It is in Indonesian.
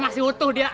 masih utuh dia